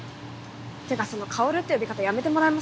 てかその「薫」って呼び方やめてもらえます？